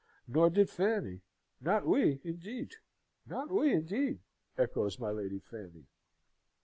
"Nor did Fanny: not we, indeed!" "Not we, indeed!" echoes my Lady Fanny.